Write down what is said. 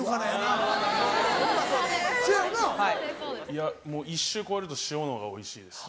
いやもう１周こえると塩のほうがおいしいです。